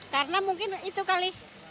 karena mungkin itu kali